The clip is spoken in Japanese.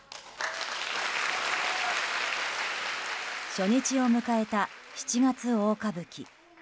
初日を迎えた「七月大歌舞伎」。